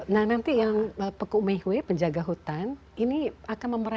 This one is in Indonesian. nah nanti yang peku mehui penjaga hutan ini akan memperoleh